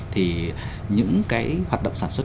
thì những cái hoạt động sản xuất